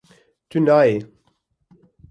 Tu nayê